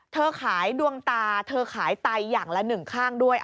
เธอขายดวงตาเธอขายไตอย่างละหนึ่งข้างด้วย